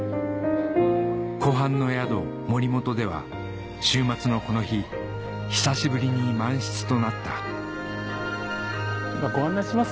湖畔の宿森本では週末のこの日久しぶりに満室となった今ご案内します